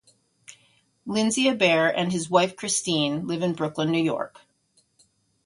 Lindsay-Abaire and his wife Christine live in Brooklyn, New York.